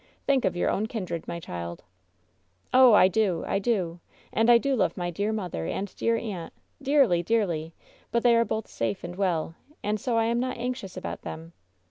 Think of your own kindred, my child/* "Oh! I do, I do! And I do love my dear mother and dear aunt, dearly, dearly! But they are both safe and well, and so I am not anxious about them.